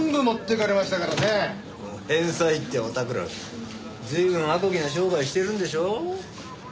ご返済っておたくら随分アコギな商売してるんでしょう？